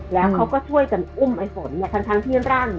แล้วเขาก็ช่วยกันอุ้มไอ้ฝนเนี่ยทั้งที่ร่าง